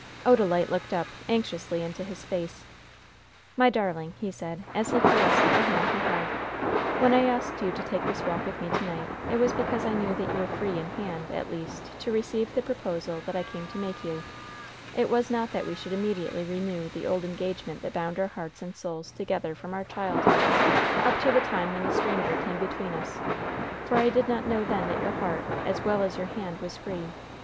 Odalite looked up, anxiously, into his face. "My darling," he said, as he caressed the hand he held, "when I asked you to take this walk with me to night, it was because I knew that you were free in hand, at least, to receive the proposal that I came to make you; it was not that we should immediately renew the old engagement that bound our hearts and souls together from our childhood up to the time when the stranger came between us, for I did not know then that your heart, as well as your hand, was free.